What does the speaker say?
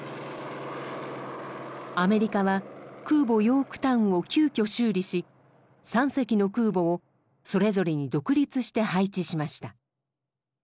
アメリカは空母ヨークタウンを急きょ修理し３隻の空母をそれぞれに独立して配置しました。